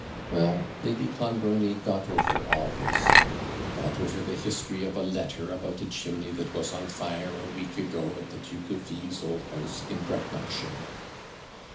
Well, Lady Clonbrony got over all this, and got over the history of a letter about a chimney that was on fire, a week ago, at the Duke of V's old house, in Brecknockshire.